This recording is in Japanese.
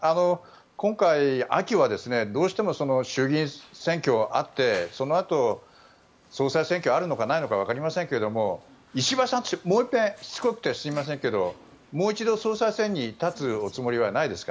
今回、秋はどうしても衆議院選挙があってそのあと、総裁選挙があるのかないのかわかりませんけど石破さんもう一遍しつこくてすみませんがもう一度、総裁選に立つおつもりはないですか？